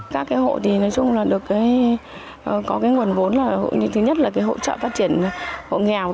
các hộ thì nói chung là có nguồn vốn là thứ nhất là hỗ trợ phát triển hộ nghèo